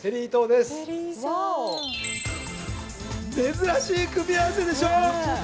珍しい組み合わせでしょ。